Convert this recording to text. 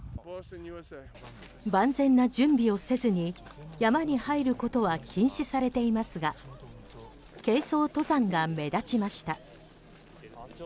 万全な準備をせずに山に入ることは禁止されていますが軽装登山が目立ちました。